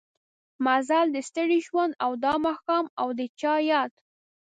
مزل د ستړي ژوند او دا ماښام او د چا ياد